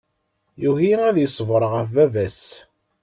Yugi ad iṣber ɣef baba-s.